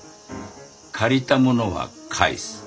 借りたものは返す。